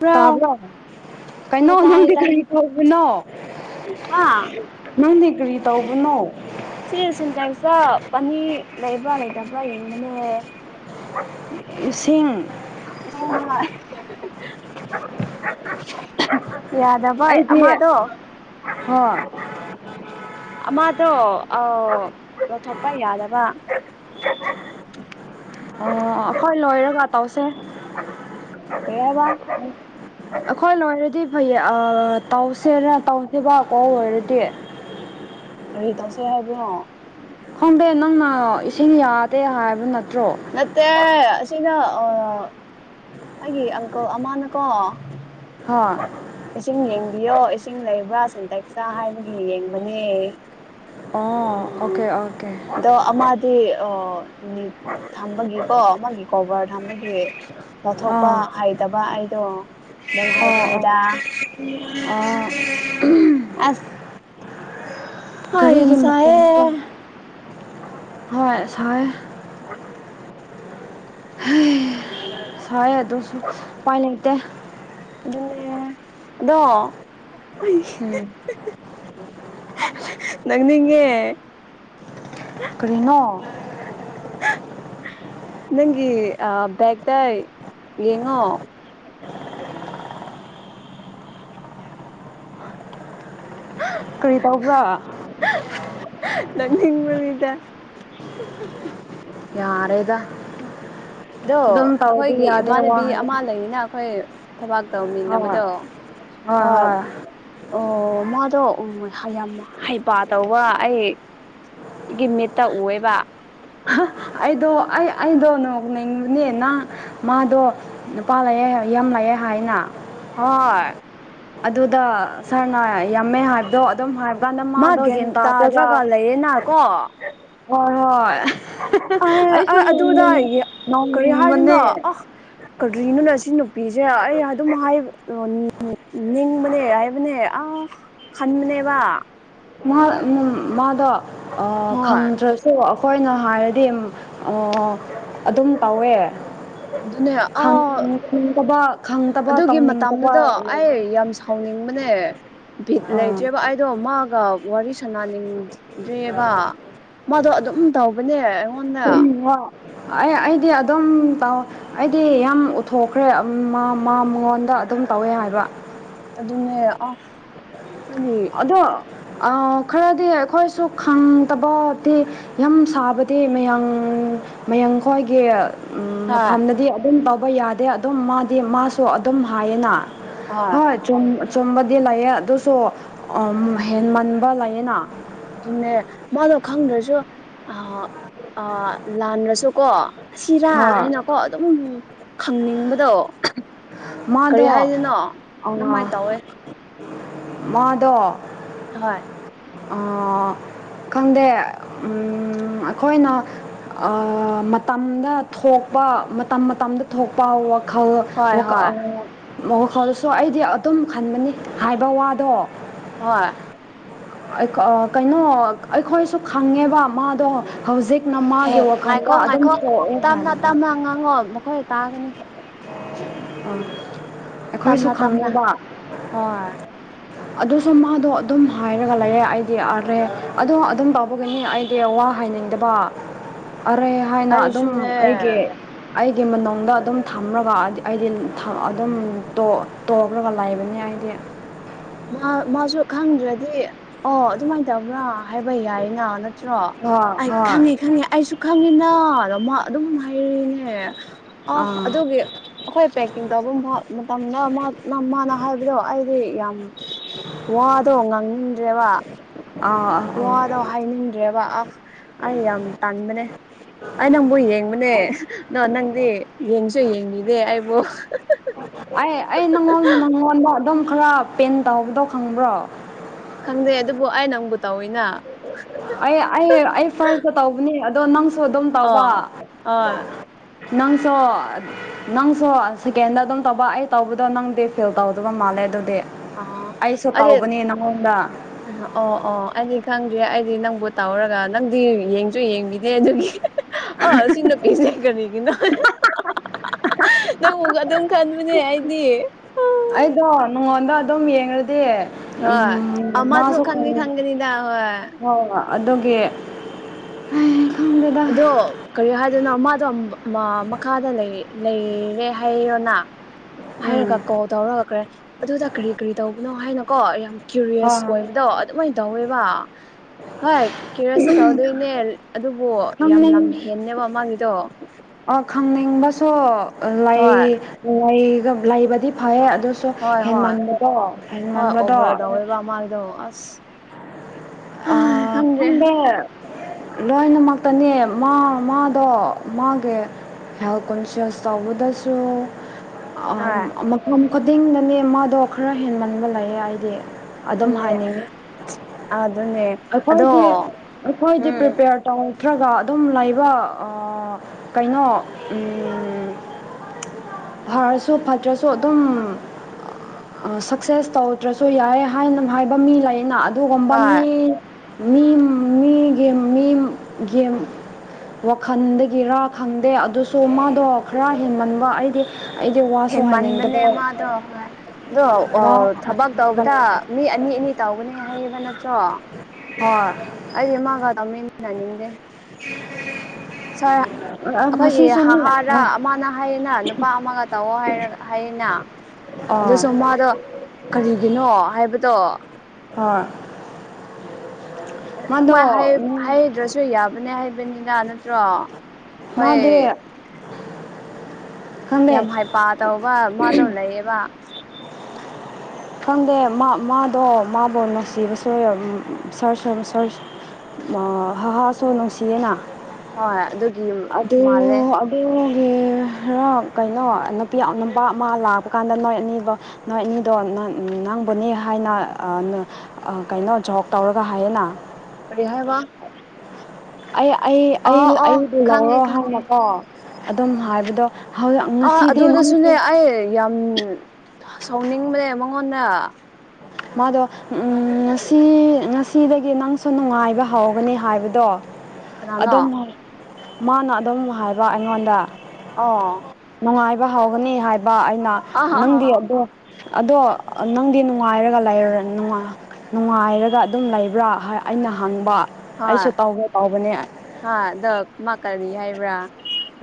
Bro ꯇꯥꯕ꯭ꯔꯣ ꯀꯩꯅꯣ ꯍꯣꯏ ꯇꯥꯏꯌꯦ ꯅꯪꯗꯤ ꯇꯥꯏꯌꯦ ꯀꯔꯤ ꯇꯧꯕꯅꯣ ꯍꯥ ꯅꯪꯗꯤ ꯀꯔꯤ ꯇꯧꯕꯅꯣ ꯁꯤ ꯁꯤꯟꯇꯔꯆ ꯄꯅꯤ ꯂꯩꯕ꯭ꯔꯥ ꯂꯩꯇꯕ꯭ꯔꯥ ꯌꯦꯡꯕꯅꯦ ꯏꯁꯤꯡ ꯍ ꯍꯣꯢ ꯌꯥꯗ ꯚꯥꯏ ꯑꯩꯗꯤ ꯑꯃꯥꯗꯣ ꯍꯣꯏ ꯑꯃꯗꯣ ꯑꯧ ꯂꯧꯊꯣꯛꯄ ꯌꯥꯗꯕ꯫ ꯑꯣ ꯑꯈꯣꯏ ꯂꯣꯏꯔꯒ ꯇꯧꯁꯦ꯫ ꯀꯩ ꯍꯥꯏꯕ꯫ ꯑꯈꯣꯏ ꯂꯣꯏꯔꯗꯤ ꯐꯩꯌꯦ ꯑ ꯇꯧꯁꯦꯔ ꯇꯧꯁꯦꯕꯀꯣ ꯂꯣꯏꯔꯗꯤ꯫ ꯀꯔꯤ ꯇꯧꯁꯦ ꯍꯥꯏꯕꯅꯣ꯫ ꯈꯪꯗꯦ ꯅꯪꯅ ꯏꯁꯤꯡ ꯌꯥꯗꯦ ꯍꯥꯏꯕ ꯅꯠꯇ꯭ꯔꯣ꯫ ꯅꯠꯇꯦ ꯑꯁꯤꯅ ꯑ ꯑꯩꯒꯤ ꯑꯪꯀꯜ ꯑꯃꯅꯀꯣ ꯍꯥ꯫ ꯏꯁꯤꯡ ꯌꯦꯡꯕꯤꯌꯣ ꯏꯁꯤꯡ ꯂꯩꯕ꯭ꯔꯥ ꯁꯤꯟꯇꯦꯛꯁ ꯇꯥ ꯍꯥꯏꯕꯒꯤ ꯌꯦꯡꯕꯅꯦ꯫ ꯑꯣ ꯑꯣꯀꯦ ꯑꯣꯀꯦ꯫ ꯑꯗꯣ ꯑꯃꯗꯤ ꯑ ꯅꯤꯠ ꯊꯝꯕꯒꯤꯀꯣ ꯑꯃꯒꯤ ꯀꯣꯕꯔ ꯊꯝꯕꯒꯤ ꯂꯧꯊꯣꯛꯄ ꯑꯥ ꯍꯩꯇꯕ ꯑꯩꯗꯣ ꯑꯗꯨꯝ ꯑꯣ ꯑꯣ ꯍꯥꯏꯕꯅꯤꯗꯥ꯫ ꯑꯣ꯫ ꯑꯁ꯫ ꯍꯥꯏ ꯌꯥꯝ ꯀꯔꯤꯒꯤ ꯃꯀꯣꯟ ꯅꫭ ꯁꯥꯏꯌꯦ ꯍꯣꯏ ꯁꯥꯑꯦ꯫ ꯁꯥꯑꯦ ꯑꯗꯨꯁꯨ ꯎꯄꯥꯏ ꯂꯩꯇꯦ꯫ ꯑꯗꯨꯅꯦ ꯑꯗꯣ ꯎꯝ ꯅꯪꯅꯤꯡꯉꯦ꯫ ꯀꯔꯤꯅꯣ꯫ ꯅꯪꯒꯤ ꯑ ꯕꯦꯛꯇ ꯌꯦꯡꯉꯣ꯫ ꯀꯔꯤ ꯇꯧꯕ꯭ꯔꯥ꯫ ꯅꯪꯅꯤꯡꯕꯅꯤꯗ꯫ ꯌꯥꯔꯦꯗ꯫ ꯗꯣ ꯑꯗꯨꯝ ꯇꯧꯔꯗꯤ ꯑꯈꯣꯏꯒꯤ ꯌꯥꯗꯦ ꯋꯥ ꯏꯃꯥꯟꯅꯕꯤ ꯍꯥꯏ ꯑꯃ ꯂꯩꯔꯤꯅ ꯑꯈꯣꯏ ꯊꯕꯥꯛ ꯍꯣꯏ ꯇꯧꯃꯤꯟꯅꯕꯗꯣ ꯍꯣꯏ꯫ ꯑꯣ ꯃꯥꯗꯣ ꯎꯝ ꯌꯥꯝ ꯍꯩꯄꯥ ꯇꯧꯕ ꯑꯩ ꯒꯤ ꯃꯤꯠꯇ ꯎꯋꯦꯕ꯫ ꯑꯩꯗꯣ ꯑꯩ ꯑꯩꯗꯣ ꯅꯣꯡꯅꯤꯡꯃꯅꯤ ꯅꯪ ꯃꯥꯗꯣ ꯅꯨꯄꯥ ꯂꯥꯛꯑꯦ ꯌꯥꯝ ꯂꯥꯛꯑꯦ ꯍꯥꯏꯅꯥ꯫ ꯍꯣꯏ꯫ ꯑꯗꯨꯗ ꯁꯥꯔꯅ ꯌꯥꯝꯃꯦ ꯍꯥꯏꯕꯗꯣ ꯑꯗꯨꯝ ꯍꯥꯏꯕ ꯕꯥꯟꯗ ꯃꯥ ꯃꯥꯗꯣ ꯒꯦꯟ ꯒ꯭ꯌꯥꯟ ꯇꯥꯗꯒ ꯇꯥꯗ꯭ꯔꯒ ꯂꯩꯌꯦꯅ ꯀꯣ ꯍꯣꯏ ꯍꯣꯏ ꯑꯩ ꯑꯩꯁꯨ ꯑꯩ ꯑꯗꯨꯗ ꯀꯔꯤ ꯍꯥꯏꯗꯣꯏꯅꯣ ꯅꫭꯡꯅꯤꯡꯕꯅꯦ꯫ ꯑ ꯀꯔꯤꯅꯣꯅꯦ ꯑꯁꯤ ꯅꯨꯄꯤꯁꯦ ꯑꯩ ꯑꯗꯨꯝ ꯍꯥꯏ ꯗꫭ ꯅꯤ ꯅꯤꯡꯕꯅꯦ ꯍꯥꯏꯕꯅꯦ ꯑꯥ ꯈꯟꯕꯅꯦꯕꯥ꯫ ꯃꯍꯥ ꯎꯝ ꯃꯥꯗꯣ ꯍꯣꯏ ꯈꯪꯗ꯭ꯔꯁ ꯁꯣ ꯑꯩꯈꯣꯏꯅ ꯍꯥꯏꯔꯗꯤ ꯑ ꯑꯗꯨꯝ ꯇꯧꯋꯦ꯫ ꯑꯗꯨꯅꯦ ꯑꯥ ꯈꯪꯗꯕ ꯇꯧꯅꯤꯡꯗꯕ ꯂꯩꯌꯦ꯫ ꯍꯪꯅꯤꯡꯕꯅꯦ ꯚꯤꯠ ꯑꯥ ꯂꯩꯇ꯭ꯔꯦꯕ ꯑꯩꯗꯣ ꯃꯥꯒ ꯋꯥꯔꯤ ꯁꯅꯅꯤꯡꯗ꯭ꯔꯦꯕ ꯃꯥꯗꯣ ꯑꯗꯨꯝ ꯇꯧꯕꯅꯦ꯫ ꯎꯝ ꯑꯣ ꯑꯩ ꯑꯩꯗꯤ ꯑꯗꯨꯝ ꯇꯧ ꯑꯩꯗꯤ ꯌꯥꯝ ꯎꯠꯊꯣꯛꯈ꯭ꯔꯦ ꯎꯝ ꯃꯥ ꯃꯥ ꯃꯉꯣꯟꯗ ꯑꯗꯨꯝ ꯇꯧꯋꯦ ꯍꯥꯏꯕ꯫ ꯑꯗꯨꯅꯦ ꯑ ꯍꯥꯏꯗꯤ ꯑꯗꯣ ꯑ ꯈꯔꯗꯤ ꯑꯩꯈꯣꯏꯁꯨ ꯈꯪꯇꯕꯗꯤ ꯌꯥꯝ ꯁꯥꯕꯗꯤ ꯃꯌꯥꯡ ꯃꯌꯥꯡ ꯈ꯭ꯋꯥꯏꯒꯤ ꯍꯣꯏ ꯃꯐꯝꯗꯗꯤ ꯑꯗꯨꯝ ꯇꯧꯕ ꯌꯥꯗꯦ ꯑꯗꯨꯝ ꯃꯥꯗꯤ ꯃꯥꯁꯨ ꯑꯗꯨꯝ ꯍꯥꯏꯌꯦꯅ ꯍꯣꯏ ꯍꯣꯏꯠ ꯆꯨꯝ ꯆꯨꯝꯕꯗꯤ ꯂꯩꯌ‌ꯦ ꯑꯗꯨꯁꯨ ꯑ ꯍꯦꯟ ꯃꯟꯕ ꯂꯩꯌꯦꯅꯥ ꯑꯗꯨꯅꯦ ꯃꯥꯗꯣ ꯈꯪꯗ꯭ꯔꯁꯨ ꯑꯥ ꯑꯥ ꯂꯥꯟꯔꯁꯨꯀꯣ ꯑꯁꯤꯔꯥ ꯍꯣꯏ ꯍꯥꯏꯅꯀꯣ ꯑꯗꯨꯝ ꯈꯪꯅꯤꯡꯕꯗꯣ ꯀꯔꯤ ꯃꯥꯗꯣ ꯍꯥꯏꯗꯨꯏꯅꯣ ꯑꯗꯨꯃꯥꯏ ꯇꯧꯋꯦ ꯃꯥꯗ‌ꯣ ꯍꯣꯏ ꯑꯥ ꯈꯪꯗꯦ ꯎꯝ ꯑꯩꯈꯣꯏꯅ ꯑꯑ ꯃꯇꯝꯗ ꯊꯣꯛꯄ ꯃꯇꯝ ꯃꯇꯝꯗ ꯊꯣꯛꯄ ꯋꯥ ꯍꯣꯏ ꯍꯣꯏ ꯋꯥ ꯋꯥꯈꯜꯗꯁꯨ ꯑꯩꯗꯤ ꯑꯗꯨꯝ ꯈꯟꯕꯅꯤ ꯍꯥꯏꯕ ꯋꯥꯗꯣ ꯍꯣꯏ ꯑꯥ ꯀꯩꯅꯣ ꯑꯩꯈꯣꯏꯁꯨ ꯈꯪꯉꯦꯕ ꯃꯥꯗꯣ ꯍꯧꯖꯤꯛ ꯍꯦ ꯃꯃꯥꯒꯤ ꯋꯥꯈꯜꯗ ꯉꯥꯏꯈꯣ ꯑꯗꯨꯝ ꯉꯥꯏꯈꯣ ꯊꯣꯛꯑꯦ ꯇꯞꯅ ꯍꯥꯏꯕꯗ ꯇꯞꯅ ꯉꯥꯡꯉꯣ ꯃꯈꯣꯏ ꯇꯥꯒꯅꯤ ꯑꯥ ꯑꯩꯈꯣꯏꯁꯨ ꯇꯞꯅ ꯇꯞꯅ ꯈꯪꯔ‌ꯦꯕꯥ ꯍꯣꯏ ꯑꯗꯨꯁꯨ ꯃꯥꯗꯣ ꯑꯗꯨꯝ ꯍꯥꯏꯔꯒ ꯂꯩꯑꯦ ꯑꯩꯗꯤ ꯑꯥꯔꯦ ꯑꯗꯣ ꯑꯗꯨꯝ ꯇꯥꯎꯕꯒꯤꯅꯤ ꯑꯩ ꯑꯦ ꯋꯥ ꯍꯥꯏꯅꯤꯡꯗꯕ ꯑꯔꯦ ꯍꯥꯏꯅ ꯑꯗꯨꯝ ꯑꯩꯁꯨꯅꯦ ꯑꯩꯒꯤ ꯑꯩꯒꯤ ꯃꯅꯨꯡꯗ ꯑꯗꯨꯝ ꯊꯝꯔꯒꯗꯤ ꯑꯩꯗꯤ ꯊ ꯑꯗꯨꯝ ꯇ‌ꯣ ꯇꯣꯛꯔꯒ ꯂꯩꯕꯅꯤ ꯑꯩꯗꯤ ꯃꯥ ꯃꯥꯁꯨ ꯈꯪꯗ꯭ꯔꯗꯤ ꯑꯣ ꯑꯗꯨꯃꯥꯏꯟ ꯇꯧꯕ꯭ꯔꯥ ꯍꯥꯏꯕ ꯌꯥꯏꯅ ꯅ ꯇ꯭ꯔꯣ ꯍꯣꯏ ꯑꯩ ꯍꯣꯏ ꯈꯪꯉꯦ ꯈꯪꯉꯦ ꯑꯩꯁꯨ ꯈꯪꯉꯤꯅ ꯑꯗꯣ ꯃꯥ ꯑꯗꯨꯝ ꯍꯥꯏꯔꯩꯅꯦ ꯑꯥ ꯑꯩꯈꯣꯏ ꯄꯦꯛꯀꯤꯡ ꯇꯧꯕ ꯃ ꯃꯇꯝꯗ ꯃꯥ ꯃꯥꯅ ꯍꯥꯏꯕꯗꯣ ꯑꯩꯗꯤ ꯌꯥꯝ ꯋꯥꯗꯣ ꯉꯥꯡꯅꯤꯡꯗ꯭ꯔꯦꯕ ꯑꯥ ꯑꯥ ꯋꯥꯗ‌ꯣ ꯍꯥꯏꯅꯤꯡꯗ꯭ꯔꯦꯕ ꯑ ꯑꯩ ꯌꯥꯝ ꯇꯟꯕꯅꯦ ꯑꯩ ꯅꯪꯕꯨ ꯌꯦꯡꯕꯅꯦ ꯗ‌ꯣ ꯅꯪꯗꯤ ꯌꯦꯡꯁꯨ ꯌꯦꯡꯕꯤꯗꯦ ꯑꯩꯕꯨ ꯑꯩ ꯑꯩ ꯅꯪꯉꯣꯟ ꯅꯪꯉꯣꯟꯗ ꯑꯗꯨꯝ ꯈꯔ ꯄꯦꯟ ꯇꯧꯕꯗꯣ ꯈꯪꯕ꯭ꯔꯣ ꯈꯪꯗꯦ ꯑꯗꯨꯕꯨ ꯑꯩ ꯅꯪꯕꯨ ꯇꯧꯋꯤꯅ ꯑꯩ ꯑꯩ ꯑꯩ ꯐꯥꯔꯁꯇ ꯇꯧꯕꯅꯤ ꯑꯗꯣ ꯅꯪꯁꯨ ꯑꯗꯨꯝ ꯇꯧꯕ ꯑꯥ ꯑꯥ ꯅꯪꯁꯣ ꯅꯪꯁ‌ꯣ ꯁꯦꯀꯦꯟꯗ ꯑꯗꯨꯝ ꯇꯧꯕ ꯑꯩ ꯇꯧꯕꯗꯣ ꯅꯪꯗꯤ ꯐꯤꯜ ꯇꯧꯗꯕ ꯃꯥꯜꯂꯦ ꯑꯗꯨꯗꯤ ꯑꯥ ꯑꯩꯁꯨ ꯑꯩꯗꯤ ꯀꯧꯕꯅꯦ ꯅꯪꯉꯣꯟꯗ ꯑꯣ ꯑꯣ ꯑꯩꯗꯤ ꯈꯪꯗ꯭ꯔꯦ ꯑꯩꯗꯤ ꯅꯪꯕꯨ ꯇꯧꯔꯒ ꯅꯪꯗꯤ ꯌꯦꯡꯁꯨ ꯌꯦꯡꯕꯤꯗꯦ ꯑꯗꯨꯒꯤ ꯑ‌ꯣ ꯁꯤ ꯅꯨꯄꯤꯁꯦ ꯀꯔꯤꯒꯤꯅꯣ [unintelligible] ꯗꯨ ꯑꯗꯨꯝ ꯈꯟꯕꯅꯦ ꯑꯩꯗꯤ ꯑꯩꯗꯣ ꯅꯉꯣꯟꯗꯣ ꯑꯗꯨꯝ ꯌꯦꯡꯔꯗꯤ ꯎꯝ ꯍꯣꯏ ꯑꯃꯁꯨ ꯃꯥꯁꯨ ꯈꯪꯅꯤ ꯈꯔ ꯈꯪꯒꯅꯤꯗ ꯍꯣꯏ ꯍꯣ ꯑꯗꯨꯒꯤ ꯍꯩ ꯈꯪꯗꯦꯗ ꯑꯗꯣ ꯀꯔꯤ ꯍꯥꯏꯗꯣꯏꯅꯣ ꯃꯥꯗꯣ ꯃꯥ ꯃꯈꯥꯗ ꯂꯩ ꯂꯩꯔꯦ ꯍꯥꯏꯔꯣꯅ ꯎꯝ ꯍꯥꯏꯔꯒ ꯀꯣꯜ ꯇꯧꯔꯒ ꯑꯗꯨꯗ ꯀꯔꯤ ꯀꯔꯤ ꯇꯧꯕꯅꯣ ꯍꯥꯏꯅꯀꯣ ꯌꯥꯝ ꯀ꯭ꯌꯨꯔꯤꯌꯁ ꯍꯣꯏ ꯍꯣꯏ ꯑꯣꯏꯕꯗꯣ ꯑꯗꯨꯃꯥꯏꯅ ꯇꯧꯋꯦꯕ ꯍꯣꯏ ꯀ꯭ꯌꯨꯔꯤꯌꯁꯁꯨ ꯇꯧꯗꯣꯏꯅꯦ ꯑꯗꯨꯕꯨ ꯌꯥꯝ ꯂꯝ ꯍꯦꯟꯂꯦꯕ ꯃꯥꯒꯤꯗꯣ ꯑꯥ ꯈꯪꯅꯤꯡꯕꯁꯨ ꯂꯩ ꯍꯣꯏ ꯂꯩꯒ ꯂꯩꯕꯗꯤ ꯐꯩꯌꯦ ꯑꯗꯨ ꯑꯗꯨꯁꯨ ꯍꯣꯏ ꯍꯣꯏ ꯍꯦꯟꯃꯟꯕꯗꯣ ꯍꯣꯏ ꯍꯦꯟꯃꯟꯕꯗꯣ ꯑꯣꯚꯔ ꯇꯧꯋꯦꯕ ꯃꯥꯒꯤꯗꯣ ꯑꯁ ꯑꯥ ꯈꯪꯗ꯭ꯔꯦ ꯈꯪꯗꯦ ꯂꯣꯏꯅꯃꯛꯇꯅꯦ ꯃꯥ ꯃꯥꯗꯣ ꯃꯥꯒꯤ ꯍꯦꯜꯊ ꯀꯟꯁꯤꯌꯦꯁ ꯇꯧꯕꯗꯁꯨ ꯍꯣꯏ ꯑꯥ ꯃꯐꯝ ꯈꯨꯗꯤꯡꯗꯅꯦ ꯃꯥꯗꯣ ꯈꯔ ꯍꯦꯟꯃꯟꯕ ꯂꯩꯌꯦ ꯍꯥꯏꯗꯤ ꯑꯗꯨꯅꯦ ꯑꯗꯨꯅꯦ ꯑꯗꯣ ꯑꯩꯈꯣꯏꯗꯤ ꯑꯩꯈꯣꯏꯗꯤ ꯎꯝ ꯄ꯭ꯔꯤꯄꯦꯌꯔ ꯇꯧꯔꯛꯇ꯭ꯔꯒ ꯑꯗꯨꯝ ꯂꯩꯕ ꯀꯩꯅꯣ ꯎꯝ ꯐꯔꯁꯨ ꯐꯠꯇ꯭ꯔꯁꯨ ꯑꯗꯨꯝ ꯁꯛꯁꯦꯁ ꯇꯧꯗ꯭ꯔꯁꯨ ꯌꯥꯏ ꯍꯥꯏꯅ ꯍꯥꯏꯕ ꯃꯤ ꯂꯩꯌꯦꯅ ꯑꯗꯨꯒꯨꯝꯕ ꯍꯣꯏ ꯃꯤ ꯃꯤ ꯃꯤꯒꯤ ꯃꯤꯝ ꯒꯤꯝ ꯋꯥꯈꯜꯗꯒꯤꯔꯥ ꯈꯪꯗꯦ ꯑꯗꯨꯁꯨ ꯃꯥꯗꯣ ꯈꯔ ꯍꯦꯟꯃꯟꯕ ꯑꯩꯗꯤ ꯑꯩꯗꯤ ꯋꯥꯁꯨ ꯍꯦꯟꯃꯟꯕꯅꯦ ꯍꯥꯏꯅꯤꯡꯗꯕ ꯃꯥꯗꯣ ꯑꯗꯣ ꯋꯥ ꯊꯕꯛ ꯇꯧꯕꯗ ꯃꯤ ꯑꯅꯤ ꯑꯅꯤ ꯇꯧꯒꯅꯤ ꯍꯥꯏꯕ ꯅꯠꯇ꯭ꯔꯣ ꯍꯣꯏ ꯑꯩꯗꯤ ꯃꯥꯒ ꯇꯧꯃꯤꯟꯅꯅꯤꯡꯗꯦ [inaudible] [unintelligible] ꯑꯩꯈꯣꯏꯒꯤ ꯉꯁꯤꯁꯨꯅꯦ ꯍꯥꯍꯥꯔꯅ ꯑꯃꯅ ꯍꯥꯏꯌꯦꯅ ꯅꯨꯄꯥ ꯑꯃꯒ ꯇꯧꯑꯣ ꯍꯥꯏꯔꯒ ꯍꯥꯏꯌꯨꯅ ꯑꯥ ꯑꯗꯨꯁꯨ ꯃꯥꯗꯣ ꯀꯔꯤꯒꯤꯅꯣ ꯍꯥꯏꯕꯗꯣ ꯍꯣꯏ ꯃꯥꯗꯣ ꯑꯗꯨꯃꯥꯏꯅ ꯍꯥꯏ ꯍꯥꯏꯗ꯭ꯔꯁꯨ ꯌꯥꯕꯅꯦ ꯍꯥꯏꯕꯅꯤꯗ ꯅꯠꯇ꯭ꯔꯣ ꯃꯥꯗꯤ ꯍꯣꯏ ꯈꯪꯗꯦ ꯌꯥꯝ ꯍꯩꯄ ꯇꯧꯔꯒ ꯃꯥꯗꯣ ꯂꯩꯌꯦꯕ ꯈꯪꯗꯦ ꯃꯥꯗꯣ ꯃꯥꯕꯨ ꯅꯨꯡꯁꯤꯕꯁꯨ ꯁꯥꯔ ꯁꯥꯔ ꯑꯥ ꯍꯥꯍꯥꯁꯨ ꯅꯨꯡꯁꯤꯌꯦꯅ ꯍꯣꯏ ꯑꯗꯨꯒꯤ ꯑꯗꯨ ꯃꯥꯜꯂꯦ [unintelligible] ꯀꯩꯅꯣ ꯅꯨꯄꯤ ꯑꯉꯝꯕ ꯑꯃ ꯂꯥꯛꯄꯀꯥꯟꯗ ꯅꯣꯏ ꯑꯅꯤꯗꯣ ꯅꯣꯏ ꯑꯅꯤꯗꯣ ꯅꯪ ꯅꯪꯕꯨꯅꯦ ꯍꯥꯏꯅ ꯀꯩꯅꯣ ꯖꯣꯛ ꯇꯧꯔꯒ ꯍꯥꯏꯌꯦꯅ ꯀꯔꯤ ꯍꯥꯏꯕ ꯑꯩ ꯑꯩ ꯑꯣ ꯑꯣ ꯑꯩꯕꯨ ꯈꯪꯉꯦ ꯂꯧꯔꯣ ꯈꯪꯉꯦ ꯍꯥꯏꯅꯀꯣ ꯑꯗꯨꯝ ꯍꯥꯏꯕꯗꯣ ꯑꯥ ꯉꯁꯤꯗꯤ ꯑꯗꯨꯗꯁꯨꯅꯦ ꯅꯪꯁꯨ ꯑꯩ ꯌꯥꯝ ꯁꯥꯎꯅꯤꯡꯕꯅꯦ ꯃꯉꯣꯟꯗ ꯃꯥꯗꯣ ꯉꯁꯤ ꯉꯁꯤꯗꯒꯤ ꯅꯪꯁꯨ ꯅꯨꯡꯉꯥꯏꯕ ꯍꯧꯒꯅꯤ ꯍꯥꯏꯕꯗꯣ ꯑꯗꯨꯝ ꯀꯅꯥꯅꯣ ꯃꯥꯅ ꯑꯗꯨꯝ ꯍꯥꯏꯕ ꯑꯩꯉꯣꯟꯗ ꯑꯣ ꯅꯨꯡꯉꯥꯏꯕ ꯍꯧꯒꯅꯤ ꯍꯥꯏꯕ ꯑꯩꯅ ꯑꯥ ꯍꯥ ꯍꯥ ꯅꯪꯗꯤ ꯑꯗꯣ ꯑꯗꯣ ꯅꯪꯗꯤ ꯅꯨꯡꯉꯥꯏꯔꯒ ꯂꯩꯔ ꯅꯨꯡꯉꯥ ꯅꯨꯡꯉꯥꯏꯔꯒ ꯑꯗꯨꯝ ꯂꯩꯕ꯭ꯔꯥ ꯍꯥꯏ ꯑꯩꯅ ꯍꯪꯕ꯫ ꯑꯩꯁꯨ ꯇꯧꯒꯦ ꯇꯧꯕꯅꯦ ꯑ ꯍꯥ ꯑꯗꯣ ꯃꯥ ꯀꯔꯤ ꯍꯥꯏꯕ꯭ꯔꯥ꯫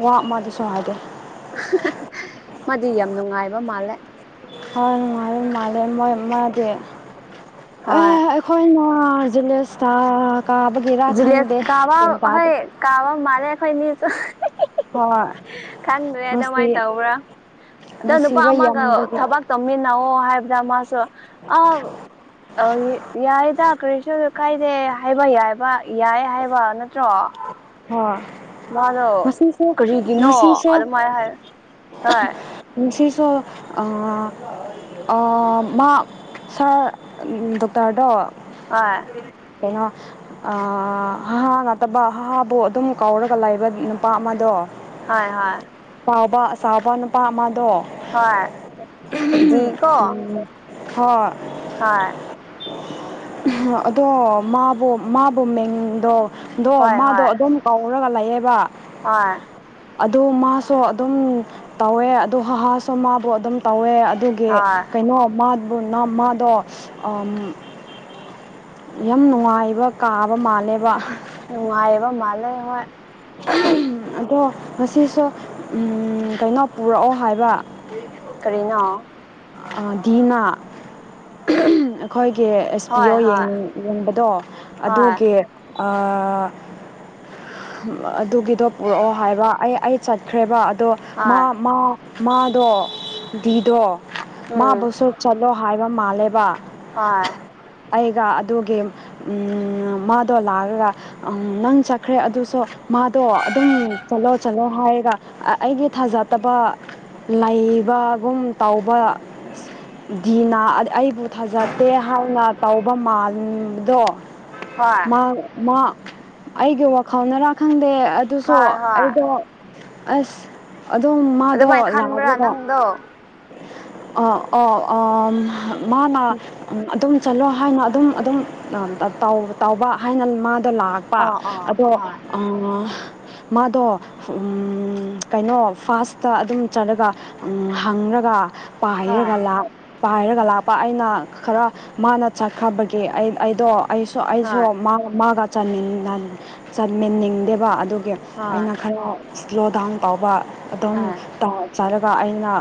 ꯋꯥ ꯑꯃꯗꯁꯨ ꯍꯥꯏꯗꯦ꯫ [unintelligible] ꯃꯥꯗꯤ ꯌꯥꯝ ꯅꯨꯡꯉꯥꯏꯕ ꯃꯥꯜꯂꯦ꯫ ꯍꯣꯏ ꯅꯨꯡꯉꯥꯏꯕ ꯃꯥꯜꯂꯦ ꯃꯣꯏ ꯃꯥꯗꯤ꯫ ꯑꯦ ꯍꯣꯏ ꯑꯩꯈꯣꯏꯅ ꯖꯨꯂꯦꯁꯀꯥ ꯀꯥꯕꯒꯤꯔꯥ ꯖꯤꯂꯦꯁ ꯈꯪꯗꯦ ꯀꯥꯕ ꯒꯌ꯭ꯥꯟ ꯇꯥꯗꯦ꯫ ꯍꯣꯏ ꯀꯥꯕ ꯃꯥꯜꯂꯦ ꯑꯩꯈꯣꯏꯅꯤꯁꯨ ꯍꯣꯏ [unintelligible] ꯈꯪꯗ꯭ꯔꯦ ꯅꯨꯡꯁꯤ ꯑꯗꯨꯃꯥꯏꯟ ꯇꯧꯕ꯭ꯔꯥ꯫ ꯑꯗ ꯅꯨꯄꯥ ꯅꯨꯡꯁꯤꯕ ꯑꯃꯒ ꯌꯥꯝꯕꯒꯤ ꯊꯕꯛ ꯇꯧꯃꯤꯟꯅꯑꯣ ꯍꯥꯏꯕꯗ ꯃꯥꯁꯨ ꯑ ꯑꯧ ꯌꯥꯏꯗ ꯀꯔꯤꯁꯣ ꯀꯥꯏꯗꯦ ꯍꯥꯏꯕ ꯌꯥꯏ ꯕ ꯌꯥꯏ ꯍꯥꯏꯕ ꯅꯠꯇ꯭ꯔꯣ꯫ ꯍꯣꯏ ꯃꯥꯗꯣ ꯉꯁꯤꯁꯨ ꯀꯔꯤꯒꯤꯅꯣ ꯉꯁꯤꯁꯨ ꯑꯗꯨꯃꯥꯏꯅ ꯍꯥꯏ ꯍꯣꯏ ꯉꯥꯁꯤꯁꯣ ꯑ ꯑꯥ ꯃꯥꯥ ꯁꯔ ꯗꯣꯛꯇꯔꯗꯣ ꯍꯣꯏ ꯀꯩꯅꯣ ꯑ ꯍꯥꯍꯥ ꯉꯥꯛꯇꯕ ꯍꯥꯍꯥ ꯕꯨ ꯑꯗꯨꯝ ꯀꯥꯎꯔꯒ ꯂꯥꯏꯕꯒꯤ ꯅꯨꯄꯥ ꯑꯃꯗꯣ꯫ ꯍꯣꯏ ꯍꯣꯏ ꯄꯥꯎꯕ ꯆꯥꯎꯕ ꯅꯨꯄꯥ ꯑꯃꯗꯣ꯫ ꯍꯣꯏ ꯗꯤꯀꯣ ꯍꯣꯢ꯫ ꯑꯣ ꯑꯗꯣ ꯃꯥꯕꯨ ꯃꯥꯕꯨ ꯃꯤꯡꯗꯣ ꯗꯣ ꯍꯣꯏ ꯃꯥꯗꯣ ꯍꯣꯏ ꯑꯗꯨꯝ ꯀꯧꯔꯒ ꯂꯩꯌꯦꯕ꯫ ꯍꯣꯏ ꯑꯗꯨ ꯃꯥꯁꯨ ꯑꯗꯨꯝ ꯇꯧꯋꯦ ꯑꯗꯨ ꯍꯥꯍꯥꯁꯨ ꯃꯥꯕꯨ ꯑꯗꯨꯝ ꯇꯧꯋꯦ ꯑꯗꯨꯝ ꯒꯦ ꯍꯣꯏ ꯀꯩꯅꯣ ꯃꯥꯕꯨ ꯃꯥꯗꯣ ꯑꯝ ꯌꯥꯝ ꯅꯨꯡꯉꯥꯏꯕ ꯀꯥꯕ ꯃꯥꯜꯂꯦꯕ꯫ ꯅꯨꯡꯉꯥꯏꯌꯦꯕ ꯃꯥꯜꯂꯦ ꯍꯣꯏ꯫ [unintelligible] ꯑꯗꯣ ꯉꯁꯤꯁꯣ ꯎꯝ ꯀꯩꯅꯣ ꯄꯨꯔꯛꯑꯣ ꯍꯥꯏꯕ꯫ ꯀꯔꯤꯅꯣ? ꯑꯥ ꯗꯤ ꯅꯥ [unintelligible] ꯑꯩꯈꯣꯏꯒꯤ ꯑꯦꯁ ꯄꯤ ꯍꯣꯏ ꯑꯣ ꯍꯣꯏ ꯌꯦꯡ ꯌꯦꯡꯕꯗꯣ ꯍꯣꯏ ꯑꯗꯨꯒꯤ ꯑ ꯑꯗꯨꯒꯤꯗꯣ ꯄꯨꯔꯛꯑꯣ ꯍꯥꯏꯕ ꯑꯩ ꯑꯩ ꯆꯠꯈ꯭ꯔꯦꯕ ꯑꯗꯣ ꯃꯥ ꯍꯣꯏ ꯃꯥ ꯃꯥꯗꯣ ꯗꯤ ꯗꯣ ꯎꯝ ꯃꯥꯕꯨꯁꯨ ꯆꯠꯂꯣ ꯍꯥꯏꯕ ꯃꯥꯜꯂꯦꯕ ꯍꯣꯏ ꯑꯩꯒ ꯑꯗꯨꯒꯤ ꯎꯝ ꯃꯥꯗꯣ ꯂꯥꯛꯔꯒ ꯑꯝ ꯅꯪ ꯆꯠꯈ꯭ꯔꯦ ꯑꯗꯨꯁꯨ ꯃꯥꯗꯣ ꯑꯗꯨꯝ ꯆꯠꯂꯣ ꯆꯠꯂꯣ ꯍꯥꯏꯔꯒ ꯑ ꯑꯩꯒꯤ ꯊꯥꯖꯇꯕ ꯂꯩꯕꯒꯨꯝ ꯇꯧꯕ ꯗꯤꯅ ꯑꯩꯕꯨ ꯊꯥꯖꯠꯇꯦ ꯍꯥꯏꯅ ꯇꯧꯕ ꯃꯥꯟꯕꯗꯣ꯫ ꯍꯣꯏ ꯃꯥ ꯃꯥ ꯑꯩꯒꯤ ꯋꯥꯈꯜꯅꯔꯥ ꯈꯪꯗꯦ ꯑꯗꯨꯁꯨ ꯍꯣꯏ ꯍꯣꯏ ꯑꯩꯗꯣ ꯑꯁ ꯑꯗꯨꯝ ꯃꯥꯗꯣ ꯂꯥꯛꯔꯒ ꯇꯣ ꯑ ꯑꯣ ꯑꯝ ꯃꯥꯅ ꯎꯝ ꯑꯗꯨꯝ ꯆꯠꯂꯣ ꯍꯥꯏꯅ ꯑꯗꯨꯝ ꯑꯗꯨꯝ ꯇꯥꯎꯕ ꯍꯥꯏꯅ ꯃꯥꯗꯣ ꯂꯥꯛ ꯄ ꯑꯥ ꯑꯥ ꯑꯗꯣ ꯍꯣꯏ ꯑꯝ ꯃꯥꯗꯣ ꯎꯝ ꯀꯩꯅꯣ ꯐꯥꯁꯇ ꯑꯗꯨꯝ ꯆꯠꯂꯒ ꯍꯪꯔꯒ ꯍꯣꯏ ꯄꯥꯏꯔꯒ ꯄꯥꯏꯔꯒ ꯂꯥꯛꯄ ꯑꯩꯅ ꯈꯔ ꯃꯥꯅ ꯆꯠꯈꯕꯒꯤ ꯑꯩ ꯑꯩꯗꯣ ꯑꯩꯁꯨ ꯑꯩꯁꯨ ꯍꯣꯏ ꯃꯥꯒ ꯆꯥꯅꯤꯡꯅ ꯆꯠꯃꯤꯅꯤꯡꯗꯦꯕ ꯑꯗꯨꯒꯤ ꯍꯣꯏ ꯑꯩꯅ ꯈꯔ ꯁ꯭ꯂꯣ ꯗꯥꯎꯟ ꯇꯧꯕ ꯑꯗꯨꯝ ꯍꯣꯏ ꯇꯥꯎ ꯆꯔꯒ ꯑꯩꯅ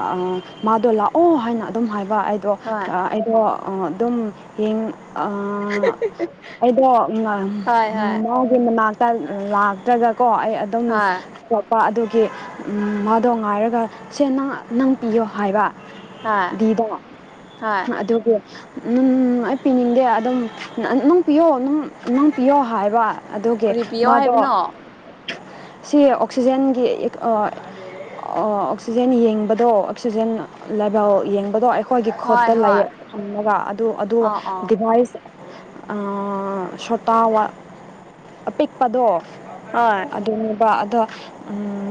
ꯃꯥꯗꯣ ꯂꯥꯛꯑꯣ ꯍꯥꯏꯅ ꯑꯗꯨꯝ ꯍꯥꯏꯕ ꯑꯩꯗꯣ ꯍꯣꯏ ꯍꯣꯏ ꯑꯩꯗꯣ ꯑꯣ ꯑꯗꯨꯝ ꯌꯦꯡ ꯑꯩꯗꯣ ꯃꯥ ꯍꯣꯏ ꯃꯅꯥꯛꯇ ꯂꯥꯛꯇ꯭ꯔꯒꯀꯣ ꯑꯩ ꯑꯗꯨꯝ ꯇꯣꯞꯄ ꯑꯗꯨꯒꯤ ꯃꯥꯗꯣ ꯉꯥꯏꯔꯒ ꯁꯦ ꯅꯪ ꯅꯪ ꯄꯤꯌꯣ ꯍꯥꯏꯕ ꯍꯣꯏ ꯗꯤꯕ ꯍꯣꯏ ꯍꯣꯏ ꯑꯗꯨꯒꯤ ꯎꯝ ꯑꯩ ꯄꯤꯅꯤꯡꯗꯦ ꯑꯗꯨꯝ ꯅꯨꯡ ꯄꯤꯌꯣꯝ ꯅꯨꯡ ꯄꯤꯌꯣ ꯍꯥꯏꯕ ꯑꯗꯨꯒꯤ ꯀꯔꯤ ꯄꯤꯌꯣ ꯃꯥꯗꯣ ꯍꯥꯏꯕꯅꯣ ꯁꯤ ꯑꯣꯛꯁꯤꯖꯦꯟꯒꯤ ꯑꯣꯛꯁꯤꯖꯦꯟ ꯌꯦꯡꯕꯗꯣ ꯑꯣꯛꯁꯤꯖꯦꯟ ꯂ‌ꯦꯕ‌ꯦꯜ ꯌꯦꯡꯕꯗꯣ ꯑꯩꯈꯣꯏꯒꯤ ꯍꯣꯏ ꯈꯨꯠꯇ ꯂꯩ ꯍꯣꯏ ꯊꯝꯃꯒ ꯑꯗꯨ ꯑꯗꯨ ꯑꯥ ꯑꯥ ꯗꯤꯚꯥꯏꯁ ꯁꯣꯇꯥ ꯋꯥ ꯑꯄꯤꯛꯄꯗꯣ ꯍꫭꯏ ꯑꯗꯨꯅꯦꯕ ꯑꯗꯣ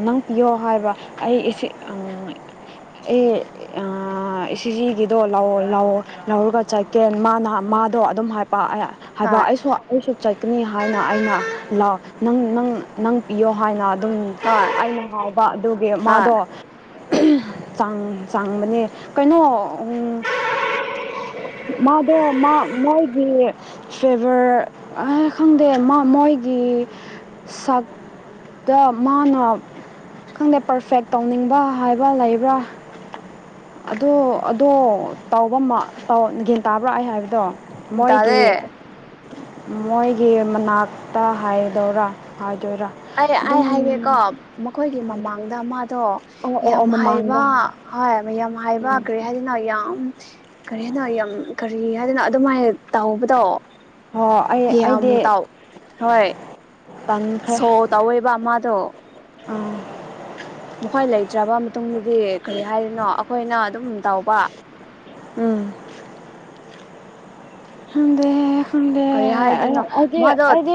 ꯅꯪ ꯄꯤꯌꯣ ꯍꯥꯏꯕ ꯑꯩ ꯑꯩ ꯑꯥ ꯏꯖꯤꯒꯤꯗꯣ ꯂꯧꯑꯣ ꯂꯧ ꯂꯧꯔꯒ ꯆꯠꯀꯦ ꯃꯥꯅ ꯃꯥꯗꯣ ꯑꯗꯨꯝ ꯍꯥꯏꯄ ꯍꯥꯏꯕ ꯍꯣꯏ ꯑꯩꯁꯨ ꯑꯩꯁꯨ ꯆꯠꯀꯅꯤ ꯍꯥꯏꯅ ꯑꯩꯅ ꯂꯥꯎꯑꯣ ꯅꯪ ꯅꯪ ꯅꯪ ꯄꯤꯌꯣ ꯍꯥꯏꯅ ꯑꯗꯨꯝ ꯍꯣꯏ ꯑꯩꯅ ꯉꯥꯎꯕ ꯑꯗꯨꯒꯤ ꯍꯣꯏ ꯃꯥꯗꯣ ꯆꯥꯡ ꯆꯥꯡꯕꯅꯦ ꯀꯩꯅꯣ ꯃꯥꯗꯨ ꯃꯥ ꯃꯣꯏꯒꯤ ꯐꯦꯚꯔꯅ ꯈꯪꯗꯦ ꯃꯣꯏꯒꯤ ꯁꯛ ꯗ ꯃꯥꯅ ꯈꯪꯗꯦ ꯄꯔꯐꯦꯛ ꯇꯧꯅꯤꯡꯕ ꯍꯥꯏꯕ ꯂꯩꯕ꯭ꯔꯥ ꯑꯗꯣ ꯑꯗꯣ ꯒꯦꯟ ꯇꯥꯕ꯭ꯔꯥ ꯑꯩ ꯍꯥꯏꯕꯗꯣ ꯃꯣꯏꯒꯤ ꯇꯥꯔꯦ ꯃꯣꯏꯒꯤ ꯃꯅꯥꯛꯇ ꯍꯥꯏꯗꯧꯔꯥ ꯍꯥꯏꯗꯣꯏꯔꯥ ꯑꯩ ꯑꯩ ꯍꯥꯏꯒꯦꯀꯣ ꯑꯗꯨꯝ ꯃꯈꯣꯏꯒꯤ ꯃꯃꯥꯡꯗ ꯃꯥꯗꯣ ꯑꯣ ꯑꯣ ꯌꯥꯝ ꯑꯣ ꯍꯩꯕ ꯃꯃꯥꯡꯗ ꯍꯣꯏ ꯃꯌꯥꯝ ꯍꯥꯏꯕ ꯎꯝ ꯀꯔꯤ ꯍꯥꯏꯗꫭꯏꯅꯣ ꯌꯥꯝ ꯀꯔꯤ ꯍꯥꯏꯗꫭꯏꯅꯣ ꯌꯥꯝ ꯀꯔꯤ ꯍꯥꯏꯗꫭꯏꯅꯣ ꯑꯗꯨꯝꯥꯏꯅ ꯇꯧꯕꯗꯣ ꯍꯣꯏ ꯑꯩ ꯌꯥꯝ ꯇꯥꯎ ꯍꯣꯏ ꯇꯥꯟꯈ꯭ꯔꯦ ꯁꯣ ꯇꯧꯋꯦꯕ ꯃꯥꯗꯣ ꯑꯥ ꯃꯈꯣꯏ ꯂꯩꯇ꯭ꯔꯕ ꯃꯇꯨꯡꯗꯗꯤ ꯀꯔꯤ ꯍꯥꯏꯗꯅꯣ ꯑꯩꯈꯣꯏꯅ ꯑꯗꯨꯝ ꯇꯧꯕ ꯎꯝ ꯈꯪꯗ‌ꯦ ꯀꯔꯤ ꯈꯪꯗ‌ꯦ ꯑꯩ ꯍꯥꯏꯗꯣꯏꯅꯣ ꯃꯥꯗꯣ ꯑꯩꯗꯤ